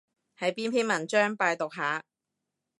係邊篇文章？拜讀下